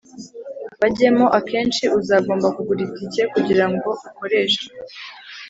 bajyemo Akenshi uzagomba kugura itike kugirango ukoreshe